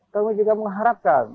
kami juga mengharapkan